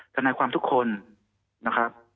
ทนายความทุกคนนะครับ